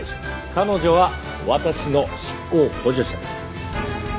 彼女は私の執行補助者です。